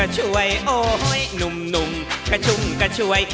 โอ้โฮ้ยหนุ่มก็ชุ่มก็ช่วย